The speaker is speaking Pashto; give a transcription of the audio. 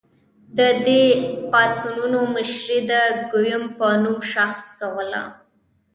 د دې پاڅونونو مشري د ګیوم په نوم شخص کوله.